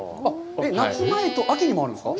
夏前と秋にもあるんですか？